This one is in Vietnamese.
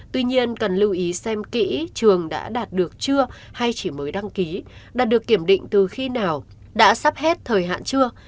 tuy nhiên cần lưu ý xem kỹ trường đã đạt được chưa hay chỉ mới đăng ký đạt được kiểm định từ khi nào đã sắp hết thời hạn chưa